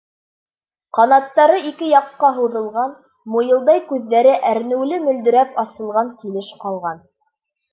Ҡанаттары ике яҡҡа һуҙылған, муйылдай күҙҙәре әрнеүле мөлдөрәп асылған килеш ҡалған.